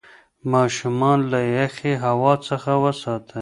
ماشومان له یخې هوا څخه وساتئ.